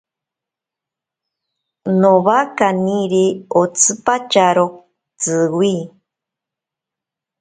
Nowa kaniri otsipatyaro tsiwi.